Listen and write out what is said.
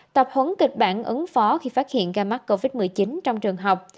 tập huấn kịch bản ứng phó khi phát hiện ca mắc covid một mươi chín trong trường học